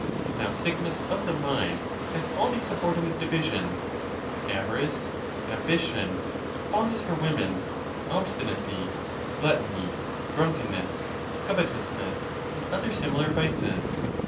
Now, sickness of the mind has all these subordinate divisions: avarice, ambition, fondness for women, obstinacy, gluttony, drunkenness, covetousness, and other similar vices.